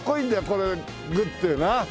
これグッてな。